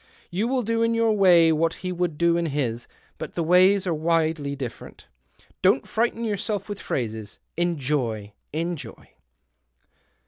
" You will do in your way what he would do in his, but the ways are widely different. Don't frighten yourself with phrases. Enjoy ! Enjoy